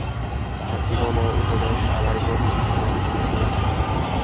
তাঁহার জীবন ও উপদেশ আমার উপর বিশেষ প্রভাব বিস্তার করিয়াছে।